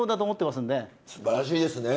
すばらしいですね。